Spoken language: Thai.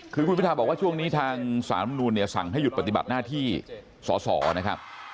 คุณพิทาบอกว่าช่วงนี้ทางสารบนรุนสั่งให้หยุดปฏิบัติหน้าที่ศรสรนะครับ